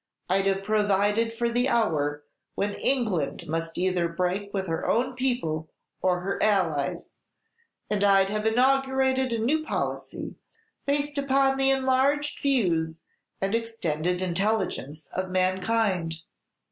I 'd have provided for the hour when England must either break with her own people or her allies; and I 'd have inaugurated a new policy, based upon the enlarged views and extended intelligence of mankind."